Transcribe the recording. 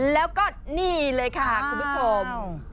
แล้วก็นี่เลยค่ะคุณผู้ชม